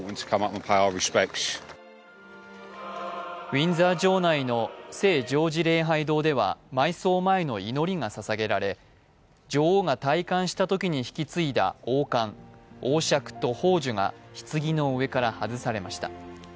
ウィンザー城内の聖ジョージ礼拝堂では埋葬前の祈りがささげられ、女王が戴冠したときに引き継いだ王冠、王しゃくと宝珠がひつぎの上から外されました。